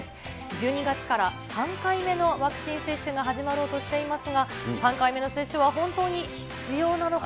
１２月から３回目のワクチン接種が始まろうとしていますが、３回目の接種は本当に必要なのか。